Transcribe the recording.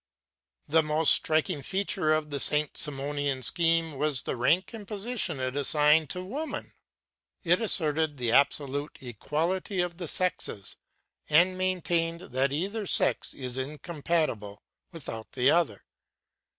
The most striking feature in the Saint Simonian scheme was the rank and position it assigned to woman. It asserted the absolute equality of the sexes, and maintained that either sex is incomplete without the other.